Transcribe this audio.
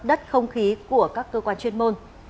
đất không khí của các cơ quan chuyên môn